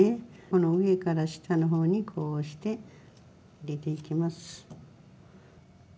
この上から下の方にこうして入れていきます。